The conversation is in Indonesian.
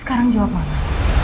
sekarang jawab mama